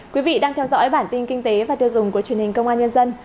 quý vị đang theo dõi bản tin kinh tế và tiêu dùng của truyền hình công an nhân dân